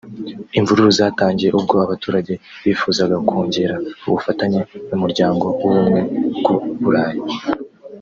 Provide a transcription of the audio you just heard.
Imvururu zatangiye ubwo abaturage bifuzaga kongera ubufatanye n’Umuryango w’Ubumwe bw’u Burayi